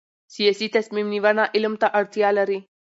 سیاسي تصمیم نیونه علم ته اړتیا لري